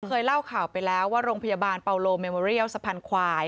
เคยเล่าข่าวไปแล้วว่าโรงพยาบาลเปาโลเมโมเรียลสะพานควาย